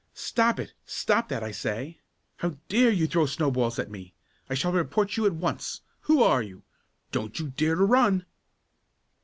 "Stop it! Stop that, I say! How dare you throw snowballs at me? I shall report you at once! Who are you? Don't you dare to run!"